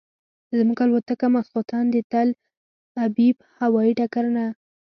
زموږ الوتکه ماسخوتن د تل ابیب هوایي ډګر نه.